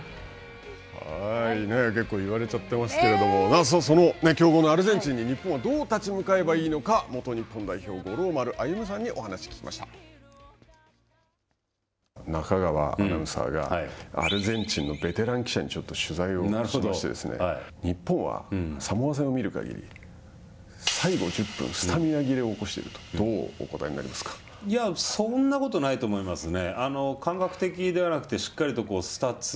結構言われちゃってますけど、その強豪のアルゼンチンに日本はどう立ち向かえばいいのか、元日本代表、五郎丸歩さんに中川アナウンサーが、アルゼンチンのベテラン記者にちょっと取材をしまして、日本は、サモア戦を見る限り、最後１０分、スタミナ切れを起こしていると、いや、そんなことはないと思いますね。